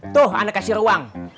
tuh anda kasih ruang